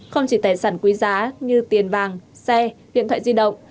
không chỉ tài sản quý giá như tiền vàng xe điện thoại di động